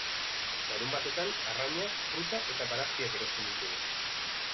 Larunbatetan, arraina, fruta eta barazkiak erosten ditugu.